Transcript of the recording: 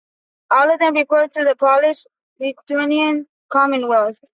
All of them refer to the Polish-Lithuanian Commonwealth.